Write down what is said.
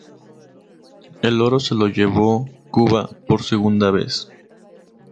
El oro se lo llevó Cuba por segunda vez.